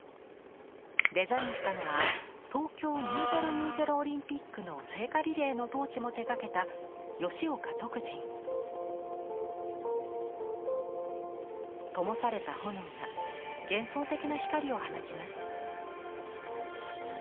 デザインしたのは東京２０２０オリンピックの聖火リレーのトーチも手がけた灯された炎が幻想的な光を放ちます。